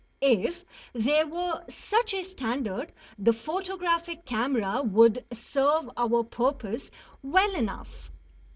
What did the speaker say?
If there were such a standard, the photographic camera would serve our purpose well enough.